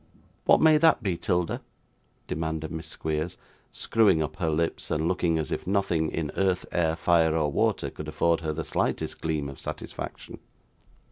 'What may that be, 'Tilda?' demanded Miss Squeers; screwing up her lips, and looking as if nothing in earth, air, fire, or water, could afford her the slightest gleam of satisfaction.